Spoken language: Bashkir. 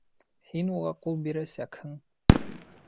Һин уға ҡул бирәсәкһең!